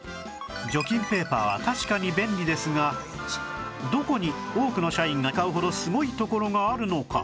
除菌ペーパーは確かに便利ですがどこに多くの社員が買うほどすごいところがあるのか？